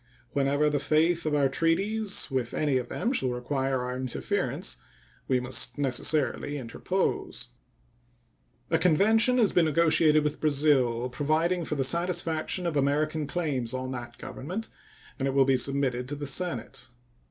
Whenever the faith of our treaties with any of them shall require our interference, we must necessarily interpose. A convention has been negotiated with Brazil providing for the satisfaction of American claims on that Government, and it will be submitted to the Senate.